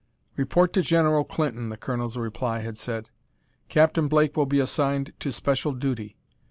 "Report to General Clinton," the colonel's reply had said. "Captain Blake will be assigned to special duty."